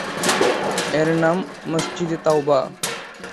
এর নাম "মসজিদে তওবা"।